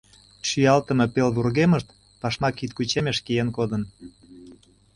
Шӱялтыме пел вургемышт пашма кидкучемеш киен кодын.